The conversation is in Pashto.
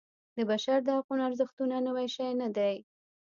د بشر د حقونو ارزښتونه نوی شی نه دی.